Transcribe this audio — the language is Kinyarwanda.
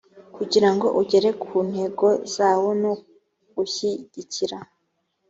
kugirango ugere ku ntego zawo no gushyigikira